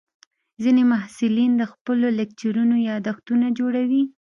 ځینې محصلین د خپلو لیکچرونو یادښتونه جوړوي.